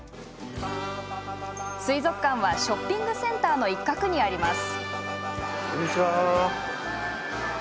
水族館はショッピングセンターの一角にあります。